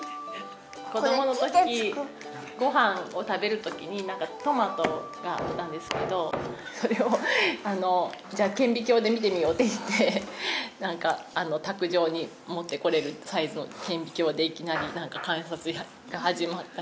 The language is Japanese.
子どもの時ご飯を食べる時にトマトがあったんですけどそれを「じゃあ顕微鏡で見てみよう」って言って卓上に持ってこられるサイズの顕微鏡でいきなり観察が始まったりとかしたりした事がありました。